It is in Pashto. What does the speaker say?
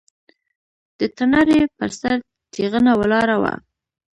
د تنارې پر سر تېغنه ولاړه وه.